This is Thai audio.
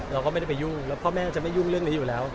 เราก็ไม่ได้ไปยุ่งแล้วพ่อแม่จะไม่ยุ่งเรื่องนี้อยู่แล้ว